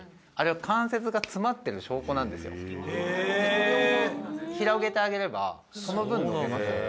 「それを広げてあげればその分伸びますよね」